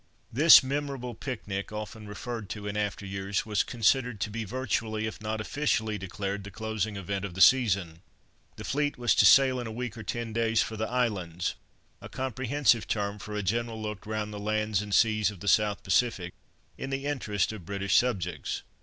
This memorable picnic, often referred to in after years, was considered to be virtually, if not officially declared, the closing event of the season. The fleet was to sail in a week or ten days for "the islands," a comprehensive term for a general look round the lands and seas of the South Pacific, in the interests of British subjects.